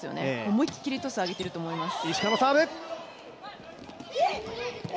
思いっきりトスを上げていると思います。